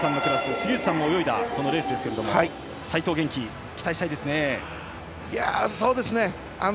杉内さんも泳いだレースですが齋藤元希、期待したいですね。